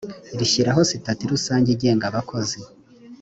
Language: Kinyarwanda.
rishyiraho sitati rusange igenga abakozi